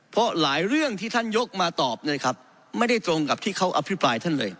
เพราะหลายเรื่องที่ท่านยกมาตอบนะครับไม่ได้ตรงกับที่เขาอภิปรายท่านเลย